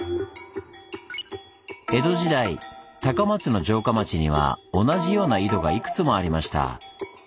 江戸時代高松の城下町には同じような井戸がいくつもありました。